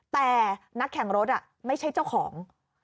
แต่นักแข่งรถไม่ใช่เจ้าของ